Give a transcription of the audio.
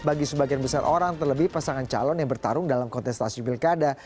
bagi sebagian besar orang terlebih pasangan calon yang bertarung dalam kontestasi pilkada